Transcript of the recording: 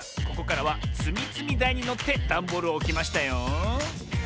ここからはつみつみだいにのってダンボールをおきましたよ。